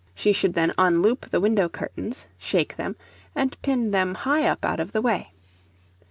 She should then unloop the window curtains, shake them, and pin them high up out of the way.